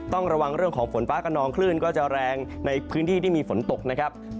ต้องระวังเรื่องของฝนฟ้ากระนองคลื่นก็จะแรงในพื้นที่ที่มีฝนตกนะครับ